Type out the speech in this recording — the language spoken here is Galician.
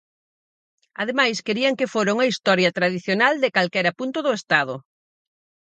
Ademais, querían que fora unha historia tradicional de calquera punto do Estado.